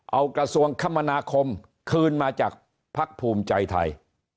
เอากระทรวงคมนาคมคืนมาจากภักดิ์ภูมิใจไทย